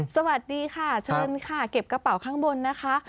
สวัสดีค่ะเชิญค่ะเก็บกระเป๋าข้างบนนะคะ